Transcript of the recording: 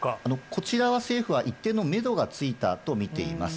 こちらは政府は一定のメドがついたと見ています。